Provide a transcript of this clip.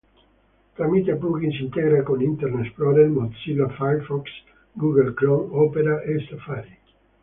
Tramite plugin si integra con Internet Explorer, Mozilla Firefox, Google Chrome, Opera e Safari.